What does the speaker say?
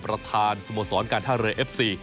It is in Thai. ประธานสมสรรค์การทะเลเอฟซี